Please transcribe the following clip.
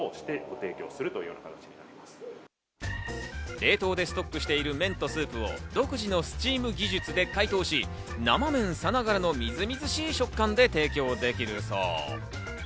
冷凍でストックしている麺とスープを独自のスチーム技術で解凍し、生麺さながらのみずみずしい食感で提供できるそう。